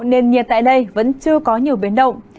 nền nhiệt tại đây vẫn chưa có nhiều biến động